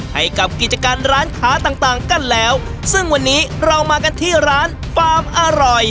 ให้กับกิจการร้านค้าต่างต่างกันแล้วซึ่งวันนี้เรามากันที่ร้านฟาร์มอร่อย